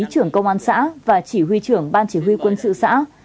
trưởng công an xã và chỉ huy trưởng ban chỉ huy quân sự xã